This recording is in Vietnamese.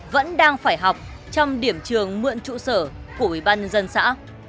vẫn đang phải học trong điểm trường mượn trụ sở của bì băn dân xã